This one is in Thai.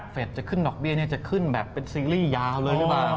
จะขึ้นดอกเบี้ยจะขึ้นแบบเป็นซีรีส์ยาวเลยหรือเปล่า